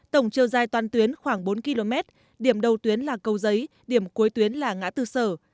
tổng chiều dài toàn tuyến khoảng bốn km điểm đầu tuyến là cầu giấy điểm cuối tuyến là ngã tư sở